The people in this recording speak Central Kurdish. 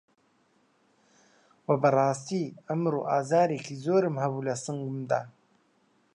وە بەڕاستی ئەمڕۆ ئازارێکی زۆرم هەبوو لە سنگمدا